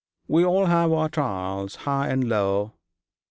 'We all have our trials high and low.'